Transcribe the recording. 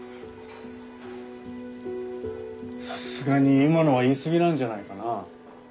さすがに今のは言い過ぎなんじゃないかな。